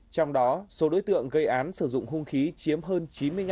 trong đó số đối tượng gây án sử dụng hung khí chiếm hơn chín mươi năm